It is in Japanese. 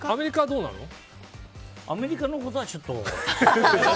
アメリカのことはちょっと。